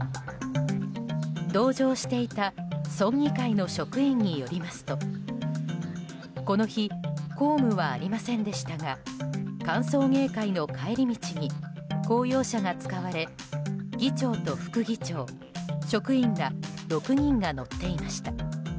同乗していた村議会の職員によりますとこの日公務はありませんでしたが歓送迎会の帰り道に公用車が使われ議長と副議長職員ら６人が乗っていました。